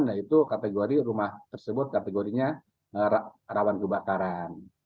nah itu kategori rumah tersebut kategorinya rawan kebakaran